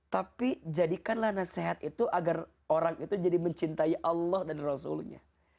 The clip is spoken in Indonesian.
tapi jadikanlah nasihat itu agar orang itu jadi mencintai allah dan rasulnya